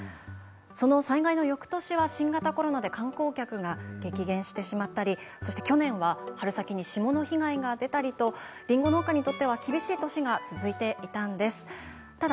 その災害のよくとしは新型コロナで観光客が激減してしまったり、去年は春先に霜の被害が出たりとりんご農家にとって厳しい年が続いていました。